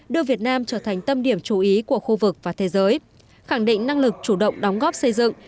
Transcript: đưa việt nam trở thành tâm điểm chú ý của khu vực và thế giới khẳng định năng lực chủ động đóng góp xây dựng